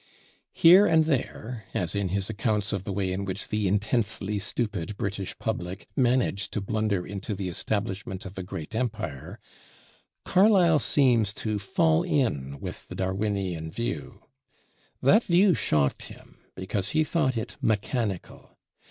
Here and there, as in his accounts of the way in which the intensely stupid British public managed to blunder into the establishment of a great empire, Carlyle seems to fall in with the Darwinian view. That view shocked him because he thought it mechanical.